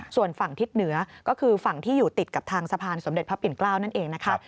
ส่วนฝั่งทิศเหนือก็คือฝั่งที่อยู่ติดกับทางสะพานสมเด็จพระปิ่นเกล้านั่นเองนะคะ